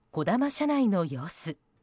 車内の様子。